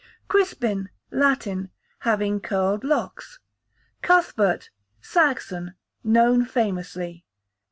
Crispin, Latin, having curled locks. Cuthbert, Saxon, known famously.